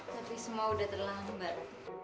tapi semua sudah terlambat